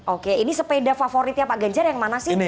oke ini sepeda favoritnya pak ganjar yang mana sih